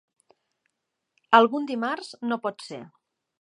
Algun dimarts no pot ser.